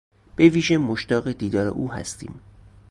به ویژه مشتاق دیدار او هستیم.